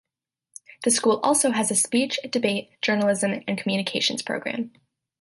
The school also has a speech, debate, journalism, and communications program.